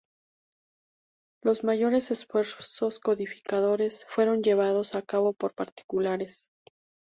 Los mayores esfuerzos codificadores fueron llevados a cabo por particulares.